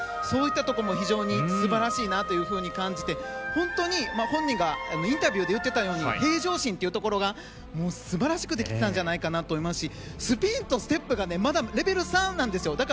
そういったところも非常に素晴らしいと感じて本当に本人がインタビューで言っていたように平常心というところが素晴らしくできたんじゃないかと思いますしスピンとステップがまだレベル３なんですよ。